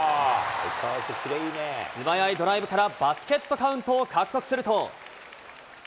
素早いドライブからバスケットカウントを獲得すると。